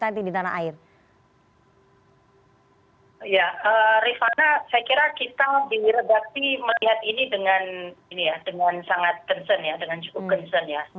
ya rifana saya kira kita di redaksi melihat ini dengan sangat concern ya dengan cukup concern ya